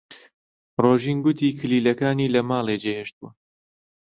ڕۆژین گوتی کلیلەکانی لە ماڵێ جێهێشتووە.